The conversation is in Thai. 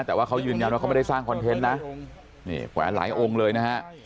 แต่ว่าเขายืนยันว่าเขาไม่ได้สร้างคอนเทนต์นะนี่แขวนหลายองค์เลยนะฮะ